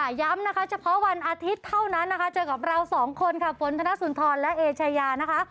ย้ำนะคะเฉพาะวันอาทิตย์เท่านั้นนะคะเจอกับเราสองคนค่ะฝนธนสุนทรและเอชายานะคะ